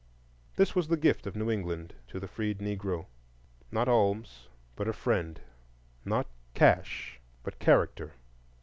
This was the gift of New England to the freed Negro: not alms, but a friend; not cash, but character.